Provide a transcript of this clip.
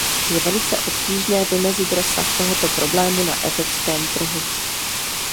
Je velice obtížné vymezit rozsah tohoto problému na evropském trhu.